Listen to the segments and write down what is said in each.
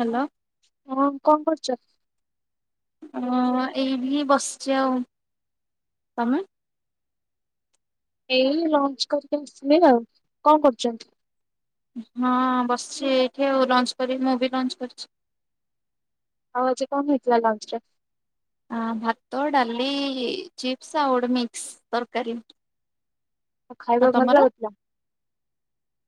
Hello. ହଁ କଣ କରୁଚ? ଅଁ, ଏଇଠି ବସିଚି ଆଉ। ତୋମେ? ଏଇ ଲଞ୍ଚ୍ କରିକି ଆସିଲି ଆଉ। କଣ କରୁଚନ୍ତି? ହଁ ବସିଛି ଏଇଠି ଆଉ ଲଞ୍ଚ କରି ମୁଁ ବି ଲଞ୍ଚ କରିଛି। ଆଉ ଆଜି କଣ ହେଇଥିଲା ଲଞ୍ଚରେ? ଆ, ଭାତ, ଡାଲି ଚିପସ୍ ଆଉ ମିକ୍ସ୍ ତରକାରୀ। ଆଉ ଖାଇବା ଭଲ ଲାଗୁଥିଲା?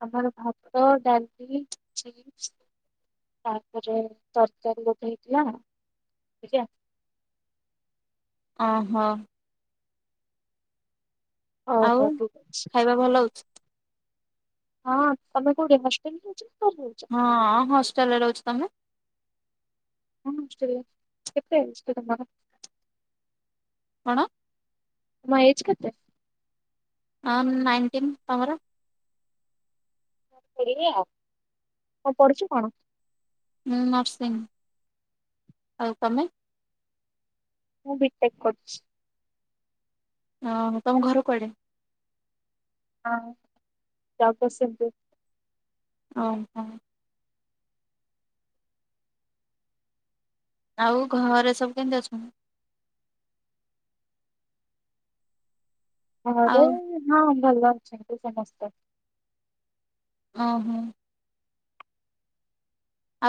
ଆମର ଭା ଭାତ, ଡାଲି, ଚିପ୍ସ୍। ତାପରେ ତରକାରୀ ଗୋଟେ ହେଇଥିଲା। [unintelligible] ଓ ହୋ। ଆଉ ଓହୋ, ଠିକ ଅଛି। ଖାଇବା ଭଲ ହଉଛି ହଁ ତୋମେ କୋଉଠି ହଷ୍ଟେଲ୍ ରେ ରହୁଚ? ହଁ ହଷ୍ଟେଲ୍ ରେ ରହୁଛି। ତୋମେ? ହଁ ହଷ୍ଟେଲ୍ ରେ କେତେ [unintelligible] ତୋମର? ହଁ। ତୁମ ଏଜ୍ କେତେ? ଆଁ, ନାଇନଟିନ୍। ତୋମର? ମୁଁ ପଢିବି ଆଉ। ତ କଣ ପଢୁଛୁ କଣ? ମୁଁ ନର୍ସିଂ। ଆଉ ତୋମେ? ମୁଁ ବିଟେକ୍ କରୁଛି। ଓହୋ ତୋମ ଘର କୁଆଡେ? ହଁ ଜଗସିଂହପୁର। ଓ ହୋ। ଆଉ ଘରେ ସବୁ କେମିତି ଅଛନ୍ତି? ଘରେ ଆଉ ହଁ ଭଲ ଅଛନ୍ତି ସମସ୍ତେ। ଓ ହଁ।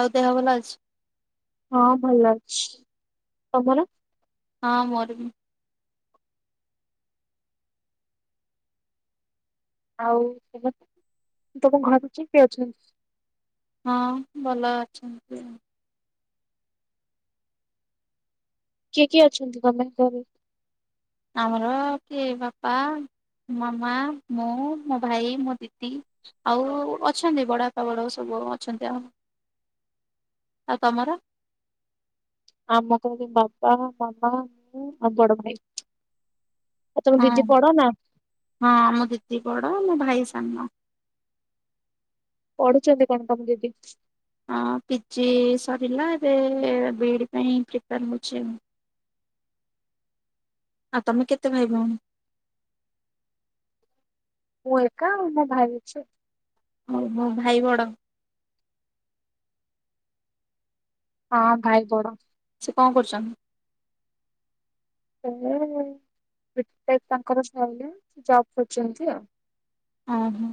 ଆଉ ଦେହ ଭଲ ଅଛି? ହଁ ଭଲ ଅଛି। ତୋମର? ହଁ ମୋର ବିି। ଆଉ ତୋମ ତୋମ ଘର ଯେ କିଏ ଅଛନ୍? ହଁ ଭଲ ଅଛନ୍ତି ଆଉ। କିଏ କିଏ ଅଛନ୍ତି ତୋମେ ଘରେ? ଆମର କିଏ ବାପା ମାମା, ମୁଁ, ମୋ ଭାଇ, ମୋ ଦିଦି, ଆଉ ଅଛନ୍ତି ବଡପା ବଡ ଵଉ ସବୁ ବୋ ଅଛନ୍ତି ଆ, ଆଉ ତୋମର? ଆମ ଘରେ ବାପା, ମାମା, ଆଉ ଵଡ ଭାଇ। ଆଉ ତମ ହଁ ଦିଦି ବଡ ନା? ହଁ ମୁଁ ଦିଦି ବଡ ମୋ ଭାଇ ସାନ। ପଢୁଛନ୍ତି କଣ ତମ ଦିଦି? ହଁ ପିଜି ସରିଲା ଏବେ ବି ଇ ଡି ପାଇଁ ପ୍ରିପାର ହଉଛି ଆଉ। ଆଉ ତମେ କେତେ ଭାଇଭଉଣୀ? ମୁ ଏକା ମୋ ଭାଇ ଅଛି। ଆଉ ମୋ ଭାଇ ବଡ। ହଁ ଭାଇ ବଡ। ସେ କଣ କରୁଛନ୍ତି? ଲେ ଵିଟେକ୍ ତାଙ୍କର ସରିଲାଣି ଜବ୍ କରଛନ୍ତି ଆଉ। ଓ ହୋ।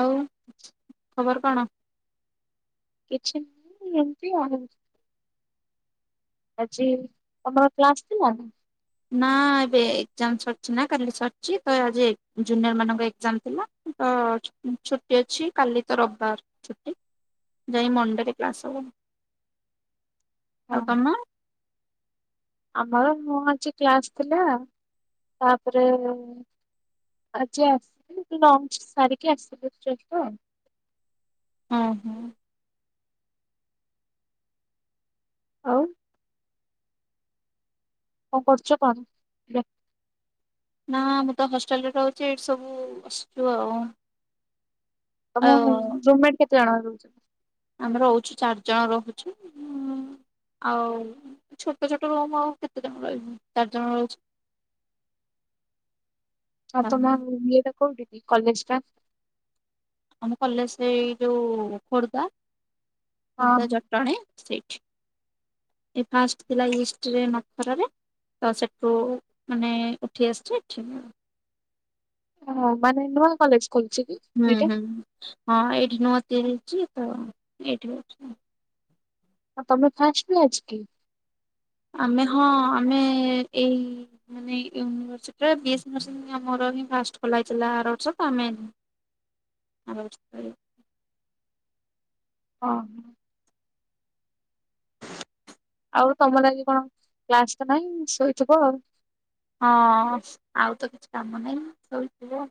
ଆଉ ଖବର କଣ? କିଛି ନାହିଁ ଏମିତି ଆଉ। ଆଜି ତମର କ୍ଲାସ ଥିଲା? ନା ଏବେ ଏକ୍ଜାମ ସରିଛି ନା କାଲି ସରିଛି ତ ଆଜି ଜୁନିୟର ମାନଙ୍କ ଏଜାମ ଥିଲା ତ ଅ ଛୁ ଛୁଟି ଅଛି କାଲି ତ ରବିବାର ଛୁଟି ଯାଇକି ମଣ୍ଡେରେ କ୍ଲାସ ହବ। ଆଉ ହଁ ତମ? ଆମର ମୁଁ ଆଜି କ୍ଲାସ ଥିଲା ତାପରେ ଆଜି ଆସିବି ଲଞ୍ଚ ସାରିକି ଆସିବି। ହଁ ହୁଁ। ଆଉ କଣ କରଛ କଣ? ନା ମୁଁ ତ ହଷ୍ଟେଲରେ ରହୁଛି ଏଇଠି ସବୁ ବସିଛୁ ଆଉ। ତମ ଆଉ ରୁମମେଟ କେତେ ଜଣ ରହୁଛ? ଆମେ ରହୁଛୁ ଚାରି ଜଣ ରହୁଛି। ଆଉ ଛୋଟ ଛୋଟ ରୁମ ଆଉ କେତେ ଜଣ ରହିବୁ ଚାରି ଜଣ ରହୁଚୁ। [unintelligible] ହଁ ତ ମ ଇଏଟା କଉଠିି କି କଲେଜଟା? ଆମ କଲେଜ ସେଇ ଯୋଉ ଖୋର୍ଦ୍ଧା ହଁ ଖୋର୍ଦ୍ଧା ଜଟଣୀ। ସେଠି ଫାଷ୍ଟ ଥିଲା ଇଷ୍ଟରେ ନଖରାରେ। ତ ସେଠୁ ମାନେ ଉଠି ଆସିଛି ଏଠି। ଓହ ମାନେ ନୂଆ କଲେଜ? ଖୋଲିଛି କି ହୁଁ ଏଇଟା? ହୁଁ ହଁ ଏଇଠି ନୁଆ ତିଆରି ହେଇଛି ତ ଏଇଠି ରହୁଛି ଆଉ। ହ ତମେ ଫାଷ୍ଟ ବ୍ୟାଚ୍ କି? ଆମେ ହଁ ଆମେ ଏଇ ମାନେ ୟୁନିଭରସିଟିରେ ବି ଏ ସି [unintelligible] ଆମର କରିକି ଫାଷ୍ଟ ଖୋଲା ହେଇଥିଲା ଆର ବର୍ଷ ତ ଆମେ ଆ [unintelligible] ହ। ଆଉ ତମ ଲାଗି କଣ କ୍ଲାସ ତ ନହିଁ ଶୋଇଥିବ ଆଉ। ହଁ ଆଉ ତ କିଛି କାମ ନାହିଁ ଶୋଇଥିବ।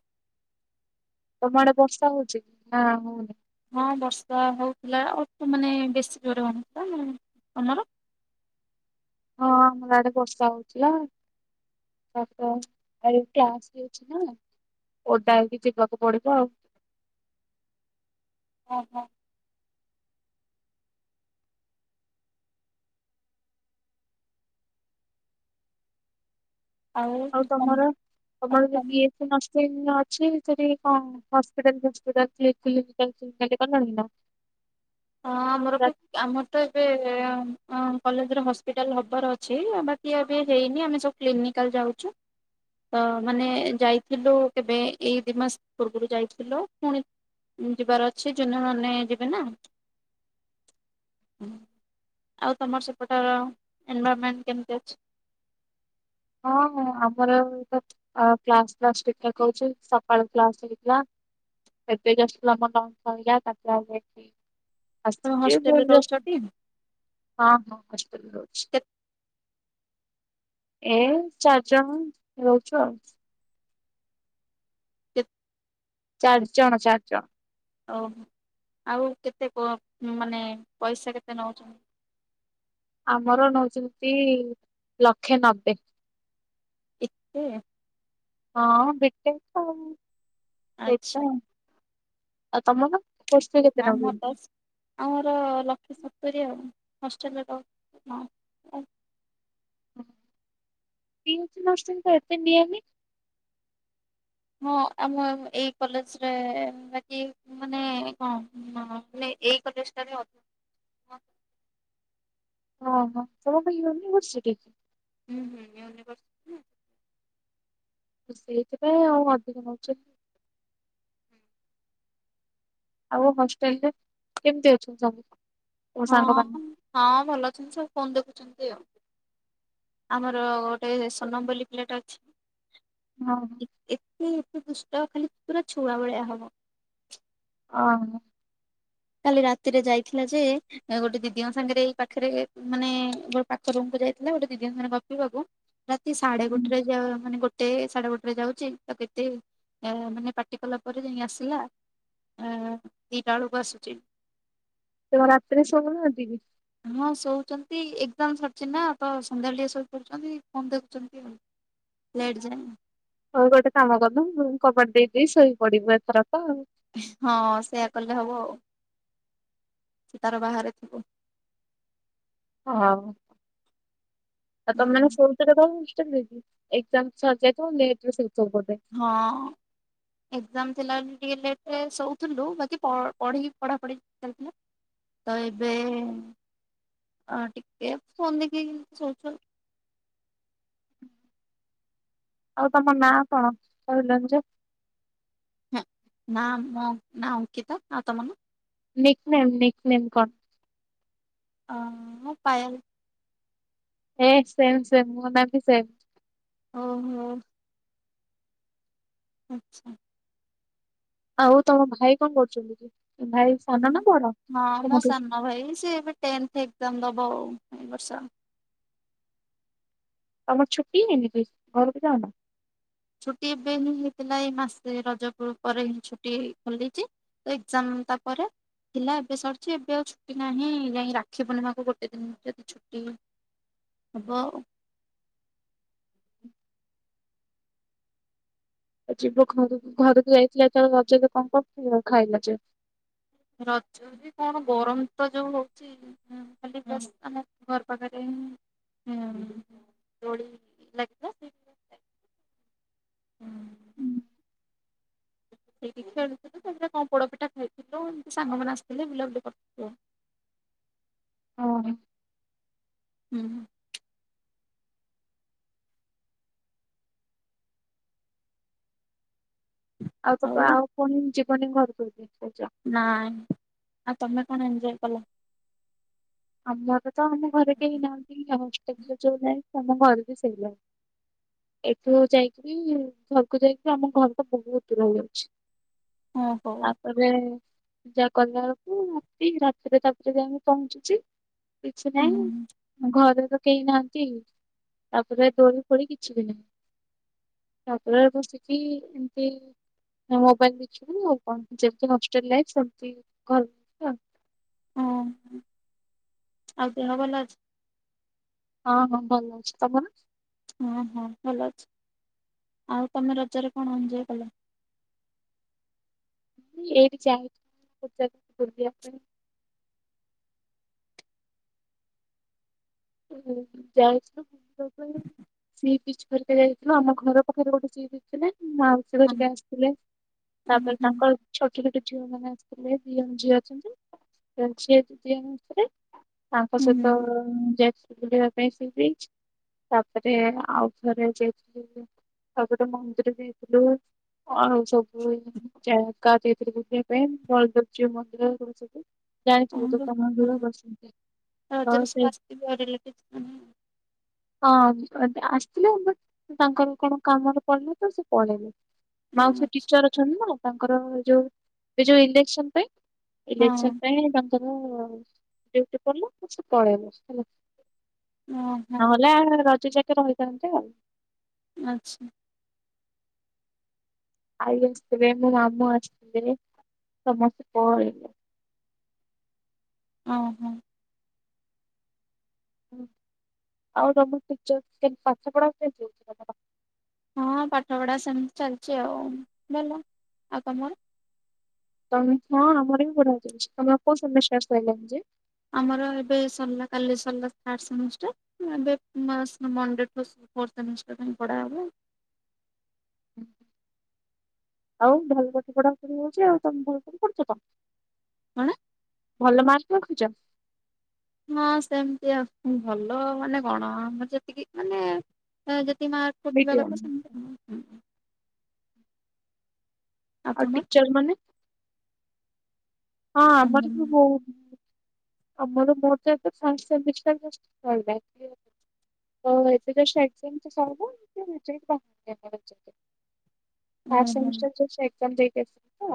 ତମ ଆଡେ ବର୍ଷା ହଉଚି କି ନା ହଉନି? ହଁ ବର୍ଷା ହଉଥିଲା ଅଳ୍ପ ମାନେ ବେଶୀ ଜୋରେ ହୋଉନଥିଲା। ତମର? ହଁ ଆମର ଆଡେ ବର୍ଷା ହଉଥିଲା। ଆପ ଆରେ କ୍ଲାସ୍ ବି ଅଛି ନା କଣ? ଓଦା ହେଇକି ଯିବାକୁ ପଡିବ ଆଉ। ଓ ହୋ। ଆଉ ତମର ତମର ଯ ତମ [unintelligible] ନଷ୍ଟ ହେଇନି ଅଛି? ସେଠୀ କଣ ହସ୍ପିଟାଲ ଫାସ୍ପିଟାଲ କ୍ଲି କିଲିନ୍ ଚେକ୍ ଚାକ୍ କଲଣି ନା? ହଁ ଆମର ବି ଆମର ତ ଏବେ କଲେଜରେ ହସ୍ପିଟାଲ ହବାର ଅଛି, ଆଉ ବାକି ଏବେ ହେଇନି ଆମେ ସବୁ କ୍ଲିନିକାଲ୍ ଯାଉଛୁ। ତ ମାନେ ଯାଇଥିଲୁ କେବେ ଏଇ ଦି ମାସ ପୂର୍ବରୁ ଯାଇଥିଲୁ ପୁଣି ଯିବାର ଅଛି, ଜୁନିଅର୍ ମାନେ ଯିବେ ନା। ଆଉ ତମର ସେପଟର ଏନଭରର୍ମେଣ୍ଟ କେମିତି ଅଛି? ହଁ- ହଁ ଆମର ଏ କ୍ଲାସ ଫ୍ଲାସ ଠିକ୍ ଠାକ୍ ହଉଛି। ସକାଳୁ କ୍ଲାସ୍ ହେଇଥିଲା। ଏବେ ଜଷ୍ଟ [unintelligible] ତମେ ଆସୁଛି ହଷ୍ଟେଲରେ [unintelligible] ରହୁଛଟି ହଁ- ହଁ ହଷ୍ଟେଲରେ ରହୁଛି। କେତେ ଏଇ ଚାରିଜଣ ରହୁଛୁ ଆଉ। କେ ଚାରି ଜଣ ଚାରି ଜଣ। ଓ ହୋ ଆଉ କେତେ କଣ ମାନେ ପଇସା କେତେ ନଉଛନ୍ତି? ଆମର ନଉଛନ୍ତି ଲକ୍ଷେ ନବେ। ଏତେ ହଁ ବି ଟେକ୍ ଆଉ ଆଚ୍ଛା ସେଇଥିପାଇଁ। ଆଉ ତମର? କୋର୍ସ ଫି କେତେ ଆମ ତ ନଉଛନ୍ତି? ଆମର ଲକ୍ଷେ ସତୁରୀ ଆଉ। ହଷ୍ଟେଲ୍ ରେ ରହୁଚୁ ଆଉ। ପି [unintelligible] ଏତେ ନିଏ ନି? ହଁ ଆମ ଏଇ କଲେଜରେ, ବାକି ମାନେ କଣ ମାନେ ଏଇ କଲେଜ ଟାରେ ଅଧିକ ହଁ- ହଁ [unintelligible] ହୁଁ- ହୁଁ ୟୁନିଭର୍ସିଟି। ସେଇଥିପାଇଁ ଆଉ ଅଧିକ ନଉଛନ୍ତି ଆଉ। ଆଉ ହଷ୍ଟେଲରେ କେମତି ଅଛନ୍ତି ସମସ୍ତେ? ହଁ ହଁ ଭଲ ଅଛନ୍ତି ସବୁ ଫୋନ୍ ଦେଖୁଛନ୍ତି ଆଉ। ଆମର ଗୋଟେ ସୋନମ ବୋଲି ପିଲାଟେ ଅଛି ଏତେ ଏତେ ଏତେ ଦୁଷ୍ଟ ଖାଲି ପୁରା ଛୁଆ ଭଳିଆ ହବ। ହଁ। କାଲି ରାତିରେ ଯାଇଥିଲା ଯେ, ଗୋଟେ ଦିଦିଙ୍କ ସାଙ୍ଗରେ ଏଇ ପାଖରେ ମାନେ ଗୋଟେ ପାଖ ରୁମ୍ କୁ ଯାଇଥିଲା, ଗୋଟେ ଦିଦିଙ୍କ ସାଂଗରେ ଗପୁ ଗପୁ ରାତି ସାଢେ ଗୋଟରେ ଯ ମାନେ ଗ ଗୋଟେ ସାଢେ ଗୋଟେରେ ଯାଉଛି, ତାକୁ ଏତେ ମାନେ ପାଟି କଲା ପରେ ଯାଇ ଆସିଲା। ଆ ଦିଟା ବେଳକୁ ଆସୁଛି। ସେ କଣ ରାତିରେ ଶୋଉ ନାହାନ୍ତି କି? ହଁ ଶୋଉଛନ୍ତି ଏକ୍ଜାମ୍ ସରିଛି ନା, ତ ସନ୍ଧ୍ୟାବେଳେ ଟିକେ ଶୋଇପଡୁଛନ୍ତି ଫୋନ୍ ଦେଖୁଛନ୍ତି ଆଉ। ଲେଟ ଯାଏ ଆଉ। ତୁ ଗୋଟେ କାମ କରୁନୁ ରୁମ୍ କବାଟ ଦେଇ ଦେଇ ଶୋଇ ପଡିବୁ ଏଥରକ ଆଉ। ହଁ ସେଇଆ କଲେ ହବଆଉ। ସେ ତାର ବାହାରେ ଥିବ। ହଁ ଆଉ ତମେମାନେ ଶୋଉଥିଲ [unintelligible] [unintelligible] ଏକଜାମ୍ ସରି ଯାଇଥିବ ଲେଟରେ ଶୋଉ। ହଁ ଏକ୍ଜାମ ଥିଲା। ଟିକେ ଲେଟରେ ଶୋଉଥିଲୁ ବାକି ପ ପଢି ପଢ଼ାପଢ଼ି ଚାଲିଥିଲା। ତ ଏବେ ହଁ ଟିକେ ଫୋନ୍ ଦେଖିକି ଶୋଉଚୁ ଆଉ। ଆଉ ତମ ନାଁ କଣ କହିଲନି ଯେ? ହ ନାଁ ନା ଅଙ୍କିତା, ଆଉ ତମ ନାଁ? ନିକ ନେମ୍ ନିକ ନେମ୍ କଣ? ହଁ ପାଏଲ। ଏ ସେମ ସେମ୍ ମୋ ନାଁ ବି ସେମ୍। ଓ ହୋ। ଆଚ୍ଛା। ଆଉ ତମ ଭାଇ କଣ କରୁଛନ୍ତି କି? ଭାଇ ସାନ ହୁଁ ନା ବଡ? ନା ମୋ ତମଠୁ ସାନ ଭାଇ ସେ ଏବେ ଟେନଥ ଏକ୍ଜାମ୍ ଦବ ଦଉ ଏ ବର୍ଷ। ତମର ଛୁଟି ହେଇନି [unintelligible] ଘରକୁ ଯାଉନ ଛୁଟି ଏବେ ହିଁ ହେଇଥିଲା ଏଇ ମାସେ ରଜ ପ ପରେ ହିଁ ଛୁଟି ଖୋଲିଛି। ଏକ୍ଜାମ ତାପରେ ଥିଲା ଏବେ ସରିଛି ଏବେ ଆଉ ଛୁଟି ନାହିଁ ଯାଇଁ ରାକ୍ଷୀ ପୂର୍ଣ୍ଣିମାକୁ ଗୋଟେ ଦିନ ଯଦି ଛୁଟି ହବ ଆଉ। ଆଉ ଯିବ ଘରକୁ ଘରକୁ ଯାଇଥିଲ ଜେତୋଳେ ରଜରେ କଣ କରୁଥିଲ ଖାଇଲ ଯେ? ରଜରେ କଣ ଗରମ ତ ଯୋଉ ହଉଚି ଖାଲି ବାସ୍ ଆମ ଘର ପାଖରେ ହୁଁ ଦୋଳି ଲାଗିଥିଲା [unintelligible] ହୁଁ ହୁଁ। ସେଇଠି ଖେଳୁଥିଲୁ ତାପରେ କଣ ପୋଡ ପିଠା ଖାଇଥିଲୁ ଏମିତି ସାଙ୍ଗମାନେ ଆସିଥିଲେ ବୁଲାବୁଲି କରିଥିଲୁ। ହଁ ହୁଁ। ଆଉ ତ ଆଉ ପୁଣି ଯିବନି ଘରକୁ ଏବେ? ନାଇଁ ଆଉ ତମେ କଣ ଏଞଜୟ କଲ? ଆମର ତ ଆମ ଘରେ କେହି ନାହାଁନ୍ତି ଆଉ ହଷ୍ଟେଲରେ ରଜ ନାହିଁ ଆମ ଘରେ ବି ସେଇଆ। ଏଠୁ ଯାଇକିରି ଘରକୁ ଯାଇକିରି ଆମ ଘର ତ ବହୁତ ଦୂର ହେଇଯାଉଛି। ହଁ ହଉ। ତାପରେ ପୂଜା କଲାବେଳକୁ ରାତି ରାତିରେ ତାପରେ ଯାଇଁକି ପହଞ୍ଚୁଛି। କିଛି ହୁଁ ନାହିଁ ଘରେ ତ କେଇ ନାହାଁନ୍ତି ତାପରେ ଦୋଳି ଫୋଳି କିଛି ବି ନାହିଁ। ତାପରେ ବସକିି ଏମତି ଆଉ ମୋବାଇଲ ଦେଖିବୁ ଆଉ କଣ ଯେମତି ହଷ୍ଟେଲ ଲାଇଫ ସେମତି ଘରେ ଆଉ। ହଁ ଆଉ ଦେହ ଭଲ ଅଛି? ହଁ ହଁ ଭଲ ଅଛି ତମର? ହଁ ହଁ ଭଲ ଅଛି ଆଉ ତମେ ରଜରେ କଣ ଏଞ୍ଜୟ୍ କଲ? ଏଇଠି ଯାଇଥିଲି ଗୋଟେ ଜାଗାକୁ ବୁଲିଆ ପାଇଁ। ଯାଇଥିଲୁ ବୁଲିବା ପାଇଁ ସିବ ବିଚ୍ ଘରିକା ଯାଇଥିଲୁ ଆମ ଘର ପାଖରେ ଗୋଟେ ସି ବିଚ ଥିଲା। ମାଉସୀ ଉଁ ଘରିଆ ଆସିଥିଲେ ଉଁ ତାପରେ ହୁଁ ତାଙ୍କର ଛୋଟ ଛୋଟ ଝିଅମାନେ ଆସିଥିଲେ ଦି ଝିଅ ଅଛନ୍ତି। [unintelligible] ଦି ଜଣ ଝିଅ ଆସିଥିଲେ ତାଙ୍କ ସହିତ ହୁଁ ଯାଇ। ବୁଲିବା ପାଇଁ ସି ବିଚ୍ ତାପରେ ଆଉ ଥରେ ଯାଇଥିଲୁ ତାପରେ ମନ୍ଦିର ଯାଇଥିଲୁ [unintelligible] ସବୁ ଜାଗା ଯାଇଥିଲୁ ବୁଲିଆ ପାଇଁ ବଳଦେବ ଜୀଉ ମନ୍ଦିର ଏଇଗୁଡା ସବୁ। ଜାଣିଥିବ ତ ଆମର ହଁ ତମର ରଜରେ ସବୁ [unintelligible] ଆସିଥିବେ [unintelligible] ହଁ ଏବେ ଆସିଥିଲେ ବଟ ତାଙ୍କର କଣ କାମରେ ପଡିଲା ତ ସିଏ ପଳେଇଲେ ହଁ ମାଉସି ଟିଚର ଅଛନ୍ତି ନା ତାଙ୍କର ଯୋଉ ଏ ଯୋଉ ଇଲେକ୍ସନ ପାଇଁ ଇଲେକ୍ସନ୍ ପାଇଁ ତାଙ୍କ ର ଡିଉଟି ପଡିଲା ତ ସିଏ ପଳେଇଲେ ହେଲା। ଓହୋ ନହେଲେ ଆ ରଜ ଯାକେ ରହିଥାନ୍ତେ ଆଉ। ଆଚ୍ଛା। ଆଈ ଆସିଥିବେ ମୋ ମାମୁଁ ଆସିଥିବେ ସମସ୍ତେ ପଳେଇଲେ। ଓ ହୋ। [unintelligible] ହଁ ପାଠ ପଢା ସେମିତି ଚାଲିଛି ଆଉ ଭଲ ଆଉ ତମର। ତ ହଁ ଆମର ବି ବଢିହା ଚାଲିଛି ତମେ କଉ ସେମିଷ୍ଟର ସହିଲଣି ଯେ ଆମର ଏବେ ସରିଲା କାଲି ସରିଲା ଥିର୍ଡ ସେମିଷ୍ଟର ଏବେ ମଣ୍ଡେଠୁ। ଫୋର୍ଥ ସେମିଷ୍ଟର ପାଇଁ ପଢ଼ା ହବ [unintelligible] ଆଉ ଭଲ ପାଠ ପଢା ପଢି ହଉଛି ଆଉ ତମେ ଭଲ କ କରୁଛ ତ କଣ? ଭଲ ମାର୍କ ରଖୁଛ। ହଁ ସେମିତି ଆ ଭଲ ମାନେ କଣ ଆ ଯେତିକି ମାନେ। ତି ମାର୍କ ପୁତି ବ ମିଡିୟମ ତ। ଆଉ ଟିଚର ମାନେ ହଁ ଆମର ବି ବହୁତ୍ [unintelligible] ଏବେ ଥିର୍ଡ୍ [unintelligible] ହଁ ଓହୋ ସେମିଷ୍ଟର ଏକ୍ଜାମ ଦେଇକ ତ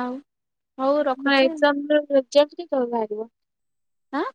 ଆଉ। ହଉ ଆପଣ ରଖୁଛି ଆଁ। ଏକ୍ଜାମ୍ ର ରେଜଲ୍ଟ କେବେ ବାହାରିବ? ଆାଁ।